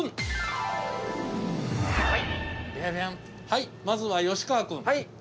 はいまずは吉川君。